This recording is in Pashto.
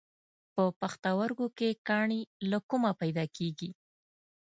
په پښتورګو کې کاڼي له کومه پیدا کېږي؟